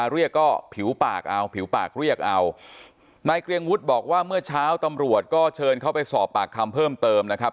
เรียกก็ผิวปากเอาผิวปากเรียกเอานายเกรียงวุฒิบอกว่าเมื่อเช้าตำรวจก็เชิญเขาไปสอบปากคำเพิ่มเติมนะครับ